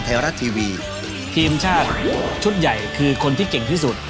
ทีมชาติชุดใหญ่คือคนที่เก่งที่สุด